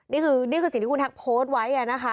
นี่คือนี่คือสิ่งที่คุณแท็กโพสต์ไว้นะคะ